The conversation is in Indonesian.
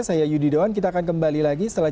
saya yudi doan kita akan kembali lagi setelah